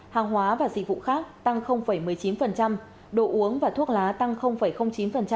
hàng hóa và dịch vụ khác tăng một mươi chín đồ uống và thuốc lá tăng chín